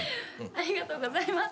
ありがとうございます。